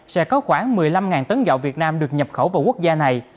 sẽ có khoảng một mươi năm tấn gạo việt nam được nhập khẩu vào quốc gia này